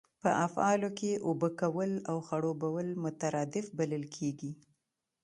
په افعالو کښي اوبه کول او خړوبول مترادف بلل کیږي.